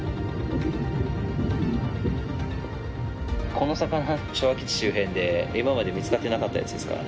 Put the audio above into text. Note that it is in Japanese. この魚昭和基地周辺で今まで見つかってなかったやつですから。